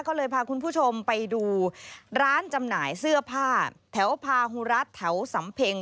ก็เลยพาคุณผู้ชมไปดูร้านจำหน่ายเสื้อผ้าแถวพาหูรัฐแถวสำเพ็ง